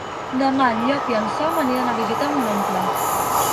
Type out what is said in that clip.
Demà en Llop i en Sam aniran a visitar mon oncle.